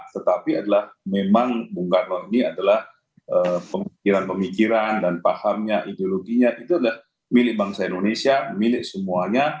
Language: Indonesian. tetapi adalah memang bung karno ini adalah pemikiran pemikiran dan pahamnya ideologinya itu adalah milik bangsa indonesia milik semuanya